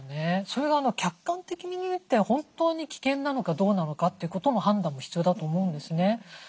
それが客観的に見て本当に危険なのかどうなのかということも判断も必要だと思うんですね。